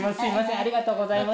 ありがとうございます。